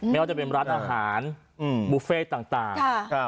ไม่ว่าจะเป็นร้านอาหารบุฟเฟ่ต่าง